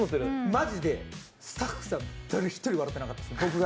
マジでスタッフさん、誰一人笑ってなかったです。